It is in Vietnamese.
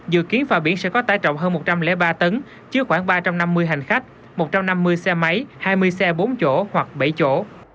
dự kiến phà biển sẽ có tải trọng hơn một trăm linh ba tấn chứa khoảng ba trăm năm mươi hành khách một trăm năm mươi xe máy hai mươi xe bốn chỗ hoặc bảy chỗ